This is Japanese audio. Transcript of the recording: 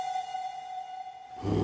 うん。